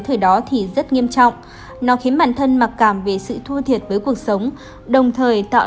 thời đó thì rất nghiêm trọng nó khiến bản thân mặc cảm về sự thua thiệt với cuộc sống đồng thời tạo